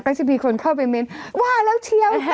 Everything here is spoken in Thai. ก็จะมีคนเข้าไปเม้นว่าแล้วเชียว